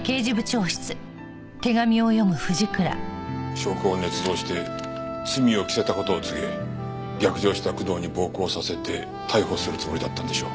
証拠を捏造して罪を着せた事を告げ逆上した工藤に暴行させて逮捕するつもりだったんでしょう。